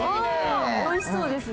美味しそうですね。